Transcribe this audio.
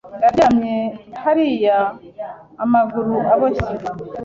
Yaryamye hariya amaguru aboshye.